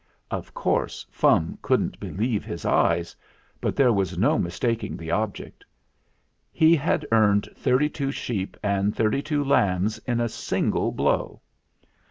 Of course, Fum couldn't be lieve his eyes. But there was no mistaking the object. He had earned thirty two sheep and thirty two lambs at a single blow!